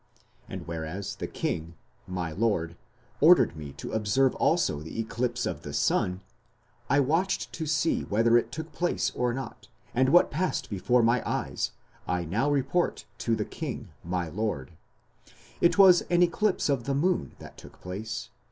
And whereas the king my lord ordered me to observe also the eclipse of the sun, I watched to see whether it took place or not, and what passed before my eyes I now report to the king my lord. It was an eclipse of the moon that took place....